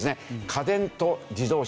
家電と自動車